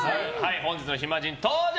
本日の暇人、登場！